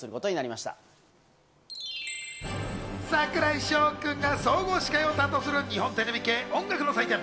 櫻井翔君が総合司会を担当する日本テレビ系音楽の祭典